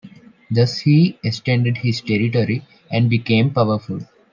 Thus he extended his territory and became powerful.